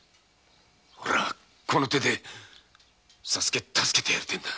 おれはこの手で左助を助けてやりてぇんだ。